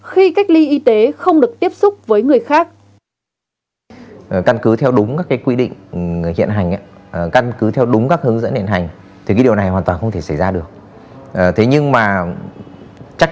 khi cách ly y tế không được tiếp xúc với người khác